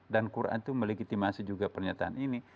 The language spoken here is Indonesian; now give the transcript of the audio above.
dan quran itu melegitimasi juga pernyataan ini